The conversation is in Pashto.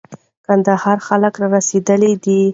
کندهار خلک را رسېدلي دي.